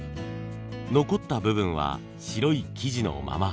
残った部分は白い生地のまま。